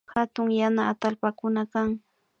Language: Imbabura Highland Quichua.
Hatun yana atallpakuna kan